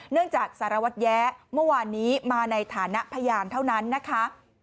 จากสารวัตรแย้เมื่อวานนี้มาในฐานะพยานเท่านั้นนะคะ